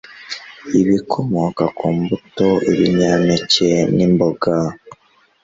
ibikomoka ku mbuto ibinyampeke nimboga